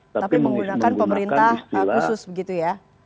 tapi menggunakan pemerintah khusus begitu ya